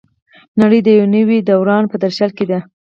نړۍ د یو نوي دوران په درشل کې ده.